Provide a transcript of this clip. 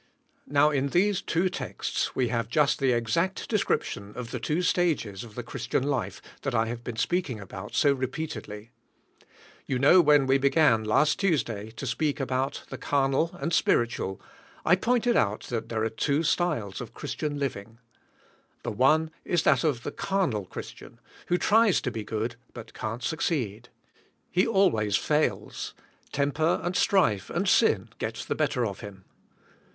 Now in these two texts we have just the ex act description of the two stages of the Christian life that I have been speaking about so repeatedly. You know when we began, last Tuesday, to speak about the carnal and spiritual, I pointed out that there are two styles of Christian living. The one is that of the carnal Christian, who tries to be good but can't succeed. He always fails; temper and strife and sin get the better of him.